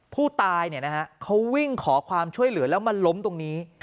ผู้ตายเขาวิ่งขอความช่วยเหลือแล้วมาล้มตรงนี้